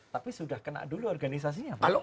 tapi sudah kena dulu organisasinya